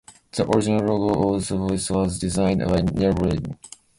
The original logo of the Voice was designed by Nell Blaine.